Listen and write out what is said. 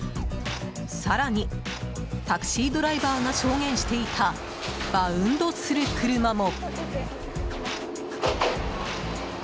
更に、タクシードライバーが証言していたバウンドする車も。